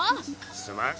すまん。